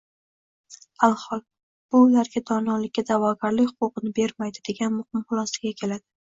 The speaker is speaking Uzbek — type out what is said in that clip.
Alhol, “Bu ularga donolikka da’vogarlik huquqini bermaydi” degan muqim xulosaga keladi